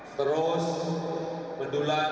kepala desa dipanggil diancam ancam